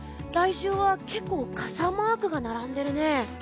来週は結構傘マークが並んでいるね。